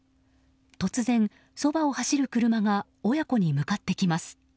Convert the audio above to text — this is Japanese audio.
突然、そばを走る車が親子に向かってきます。